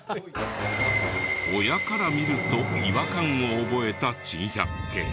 親から見ると違和感を覚えた珍百景。